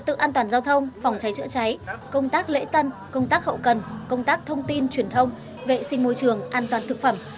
tự an toàn giao thông phòng cháy chữa cháy công tác lễ tân công tác hậu cần công tác thông tin truyền thông vệ sinh môi trường an toàn thực phẩm